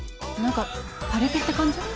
パリピって感じ。